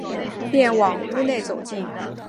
便往屋里走进